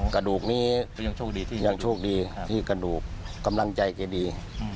กระดูกนี้ยังโชคดีที่กระดูกกำลังใจก็ดี